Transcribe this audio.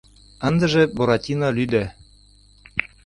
Ындыже Буратино лӱдӧ.